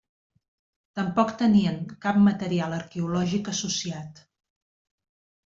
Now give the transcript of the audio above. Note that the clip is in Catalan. Tampoc tenien cap material arqueològic associat.